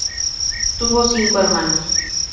Tuvo cinco hermanos.